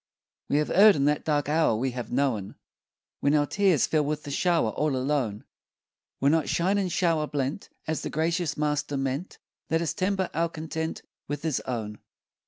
We have erred in that dark hour We have known, When our tears fell with the shower, All alone! Were not shine and shower blent As the gracious Master meant? Let us temper our content With His own.